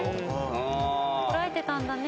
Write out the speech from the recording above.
こらえてたんだね。